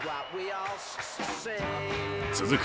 続く